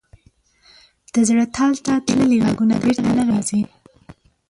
د زړه تل ته تللي ږغونه بېرته نه راځي.